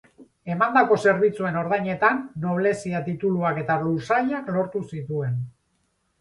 Emandako zerbitzuen ordainetan, noblezia-tituluak eta lursailak lortu zituen.